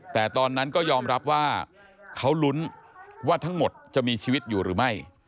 แต่ตอนนั้นก็ยอมรับว่าเขาลุ้นว่าทั้งหมดจะมีชีวิตอยู่หรือไม่